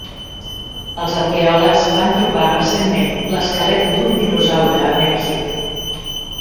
Els arqueòlegs van trobar recentment l'esquelet d'un dinosaure a Mèxic.